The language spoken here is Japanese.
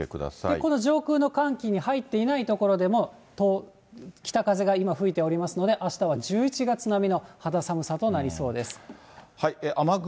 この上空の寒気に入っていない所でも、北風が今、吹いておりますので、あしたは１１月並みの肌寒さとなりそうです。